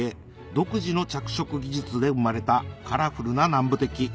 独自の着色技術で生まれたカラフルな南部鉄器